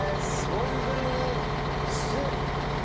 丼に酢。